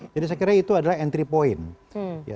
jadi saya kira itu adalah entry point